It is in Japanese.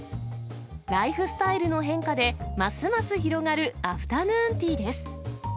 ライフスタイルの変化で、ますます広がるアフタヌーンティーです。